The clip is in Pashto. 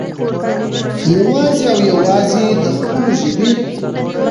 يوازې او يوازې د خپلو ژبې